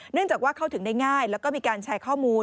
จากว่าเข้าถึงได้ง่ายแล้วก็มีการแชร์ข้อมูล